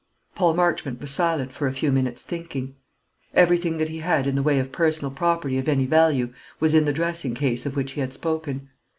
Paul Marchmont was silent for a few minutes, thinking. Everything that he had in the way of personal property of any value was in the dressing case of which he had spoken.